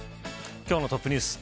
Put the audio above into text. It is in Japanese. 今日のトップニュース。